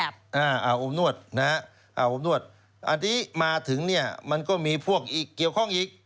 มีหลักหลายรูปแบบอ่าวอบนวดอันที่มาถึงเนี่ยมันก็มีพวกเกี่ยวข้องอีก